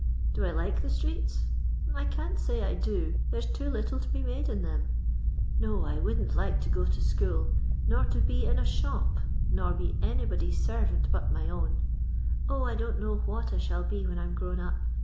Do I like the streeUl I can't my I do, there's too little to be made in them. No, I wouldtCt like to go to ickool, nor to be in a shop, nor be anybody*s tenfant but my oipa. 0, 1 don't know what I shall be when I 'm grown up.